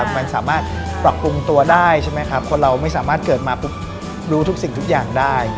มันสามารถปรับปรุงตัวได้ใช่ไหมครับคนเราไม่สามารถเกิดมาปุ๊บรู้ทุกสิ่งทุกอย่างได้